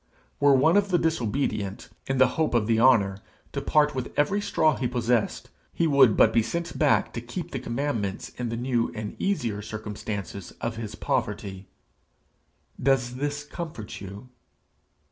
Were one of the disobedient, in the hope of the honour, to part with every straw he possessed, he would but be sent back to keep the commandments in the new and easier circumstances of his poverty. 'Does this comfort you?